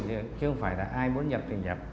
chứ không phải là ai muốn nhập thì nhập